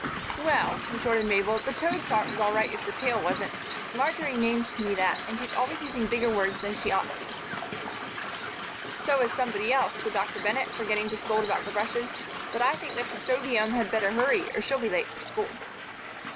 "Well," retorted Mabel, "the toad part was all right if the tail wasn't. Marjory named me that, and she's always using bigger words than she ought to." "So is somebody else," said Dr. Bennett, forgetting to scold about the brushes. "But I think the 'Custodium' had better hurry, or she'll be late for school."